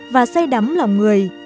và say đắm lòng người